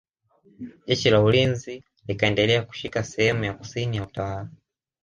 Jeshi la ulinzi likaendelea kushika sehemu ya kusini ya utawala